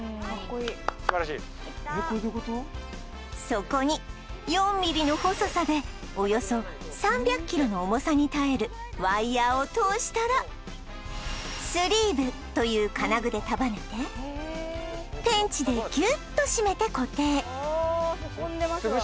そこに４ミリの細さでおよそ３００キロの重さに耐えるワイヤーを通したらスリーブという金具で束ねてペンチでギュッと締めて固定ああへこんでますわ。